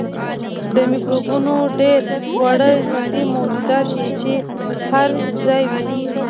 میکروبونه ډیر واړه ژوندي موجودات دي چې هر ځای وي